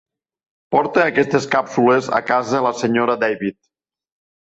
Porta aquestes càpsules a casa la senyora David.